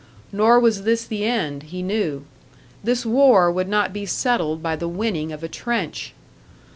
Nor was this the end, he knew; this war would not be settled by the winning of a trench!